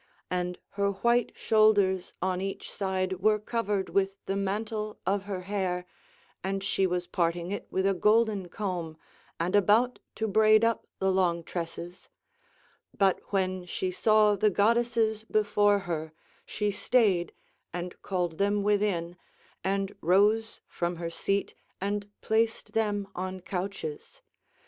And her white shoulders on each side were covered with the mantle of her hair and she was parting it with a golden comb and about to braid up the long tresses; but when she saw the goddesses before her, she stayed and called them within, and rose from her seat and placed them on couches.